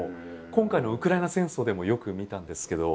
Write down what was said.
今回のウクライナ戦争でもよく見たんですけど。